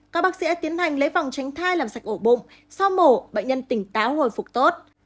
các bác sĩ tiến hành lấy vòng tránh thai làm sạch ổ bụng sau mổ bệnh nhân tỉnh táo hồi phục tốt